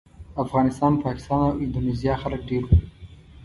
افغانستان، پاکستان او اندونیزیا خلک ډېر وو.